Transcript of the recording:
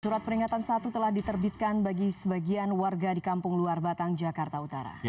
surat peringatan satu telah diterbitkan bagi sebagian warga di kampung luar batang jakarta utara